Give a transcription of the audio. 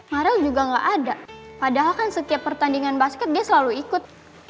marel juga nggak ada padahal kan setiap pertandingan basket dia selalu ikut